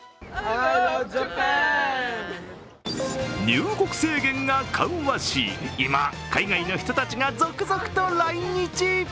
入国制限が緩和し今、海外の人たちが続々と来日。